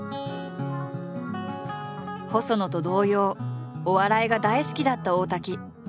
細野と同様お笑いが大好きだった大滝。